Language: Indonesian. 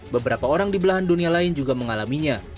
beberapa orang di belahan dunia lain juga mengalaminya